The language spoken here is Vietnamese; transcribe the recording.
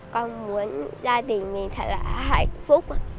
con muốn gia đình mình thật là hạnh phúc